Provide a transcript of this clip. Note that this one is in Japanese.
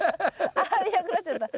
ああいなくなっちゃった。